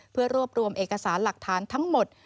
เพื่อรวบรวมเอกสารหลักฐานทั้งหมด